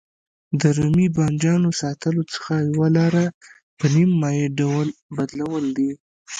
د رومي بانجانو ساتلو څخه یوه لاره په نیم مایع ډول بدلول دي.